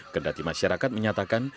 kendati masyarakat menyatakan